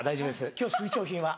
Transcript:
今日新商品は？